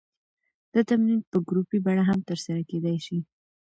دا تمرین په ګروپي بڼه هم ترسره کېدی شي.